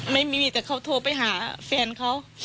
ไม่มีแต่เขาโทรไปหาแฟนเขา